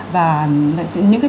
và những cái